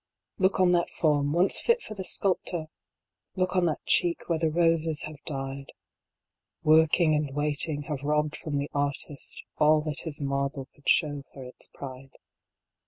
T OOK on that form, once fit for the sculptor ! Look on that cheek, where the roses have died 1 Working and waiting have robbed from the artist All that his marble could show for its pride.